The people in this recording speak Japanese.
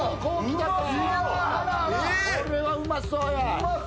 これはうまそうや！